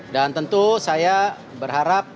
dan tentu saya berharap